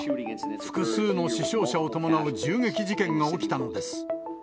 複数の死傷者を伴う銃撃事件が起きたのです。